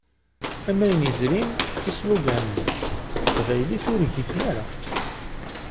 Am ayen yezrin, isloganen s teqbaylit ur ggiten ara.